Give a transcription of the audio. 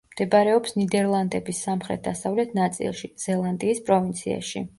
მდებარეობს ნიდერლანდების სამხრეთ-დასავლეთ ნაწილში, ზელანდიის პროვინციაში.